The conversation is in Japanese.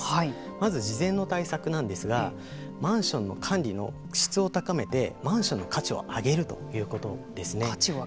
まず、事前の対策なんですがマンションの管理の質を高めてマンションの価値を上げるということですね。